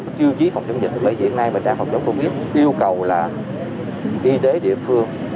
đảm bảo có chư chí phòng chống dịch bởi vì hiện nay bệnh trạng phòng chống dịch yêu cầu là y đế địa phương